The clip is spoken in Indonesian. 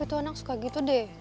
tapi tuh anak suka gitu deh